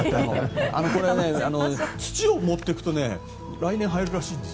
これ、土を持っていくと来年、生えるらしいんです。